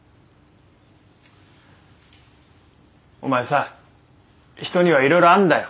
お前さ人にはいろいろあんだよ